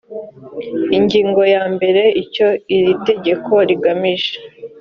ingingo ya mbere icyo iri tegeko rigamije